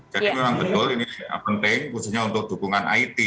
jadi memang betul ini penting khususnya untuk dukungan it